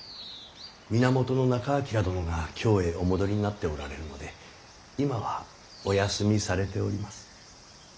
源仲章殿が京へお戻りになっておられるので今はお休みされております。